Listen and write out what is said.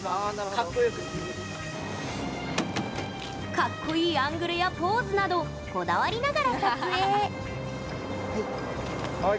かっこいいアングルやポーズなどこだわりながら撮影はい。